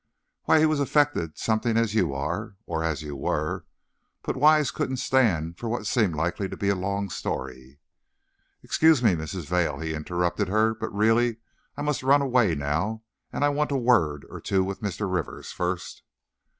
"Why, he was affected something as you are, or, as you were " but Wise couldn't stand for what seemed likely to be a long story. "Excuse me, Mrs. Vail," he interrupted her, "but, really, I must run away now, and I want a word or two with Mr. Rivers first."